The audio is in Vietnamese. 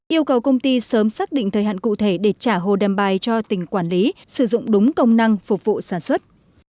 yêu cầu công ty sớm xác định thời hạn cụ thể để trả hồ đầm bài cho tỉnh quản lý sử dụng đúng công năng phục vụ sản xuất